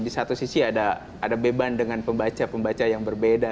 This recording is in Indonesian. di satu sisi ada beban dengan pembaca pembaca yang berbeda